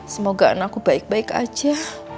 semoga anakku baik baik aja